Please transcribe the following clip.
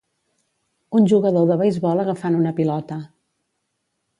Un jugador de beisbol agafant una pilota